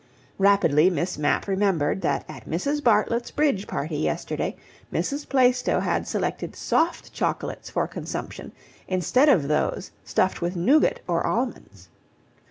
Rapidly Miss Mapp remembered that at Mrs. Bartlett's bridge party yesterday Mrs. Plaistow had selected soft chocolates for consumption instead of those stuffed with nougat or almonds.